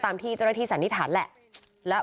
ที่เจ้าหน้าที่สันนิษฐานแหละ